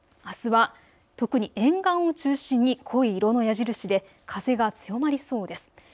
あすは特に沿岸を中心に濃い色の矢印で風が強まりそうです。